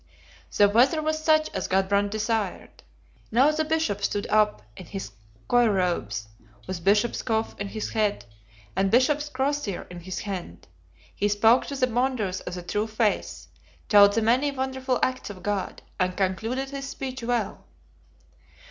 The weather was such as Gudbrand desired. Now the Bishop stood up in his choir robes, with bishop's coif on his head, and bishop's crosier in his hand. He spoke to the Bonders of the true faith, told the many wonderful acts of God, and concluded his speech well.